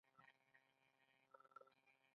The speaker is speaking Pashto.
د کاشان او قم غالۍ هم مشهورې دي.